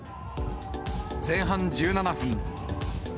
前半１７分。